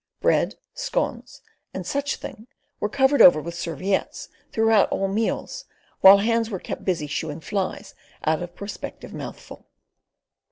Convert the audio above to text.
Bread, scones, and such thing were covered over with serviettes throughout all meals while hands were kept busy "shooing" flies out of prospective mouthfull.